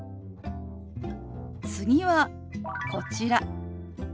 次はこちら。